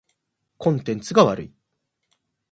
コンテンツが悪い。